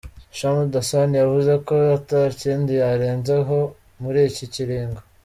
Shamdasani yavuze ko ata kindi yorenza ho muri iki kiringo.